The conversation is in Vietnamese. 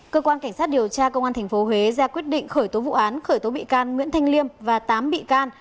cơ quan cảnh sát điều tra công an tp huế ra quyết định khởi tố vụ án khởi tố bị can nguyễn thanh liêm và tám bị can